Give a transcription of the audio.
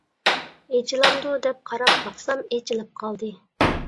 ئېچىلامدۇ دەپ قاراپ باقسام ئېچىلىپ قالدى.